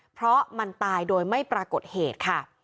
เพราะมันตายโดยไม่ปรากฏเหตุค่ะ